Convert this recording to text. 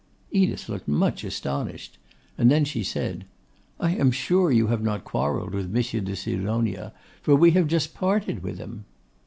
Edith looked much astonished. And then she said, 'I am sure you have not quarrelled with Monsieur de Sidonia, for we have just parted with him.